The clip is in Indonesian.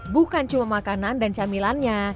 bukan cuma makanan dan camilannya